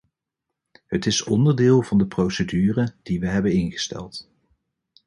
Het is onderdeel van de procedure die we hebben ingesteld.